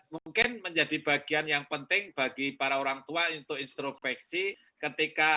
mungkin menjadi bagian yang penting bagi para orang tua untuk instruksi ketika